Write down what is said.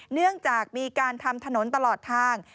เนื่องจากมีการทำถนนตลอดทาง